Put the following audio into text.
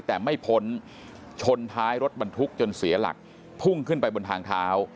แต่ไม่พ้นชนท้ายรถบรรทุกจนเสียหลักพุ่งขึ้นไปบนทางเท้า